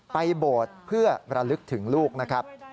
โบสถ์เพื่อระลึกถึงลูกนะครับ